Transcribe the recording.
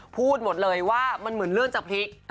พูดหมดเลยว่ามันเหมือนเลื่อนจะพลิก